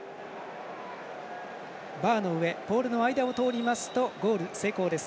バーの上ポールの間を通りますとゴール成功です。